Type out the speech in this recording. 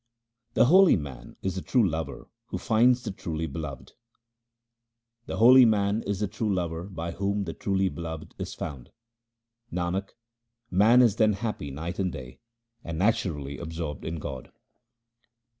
The holy man is the true lover who finds the truly Beloved :— The holy man is the true lover by whom the truly Beloved is found. Nanak, man is then happy night and day and naturally absorbed in God.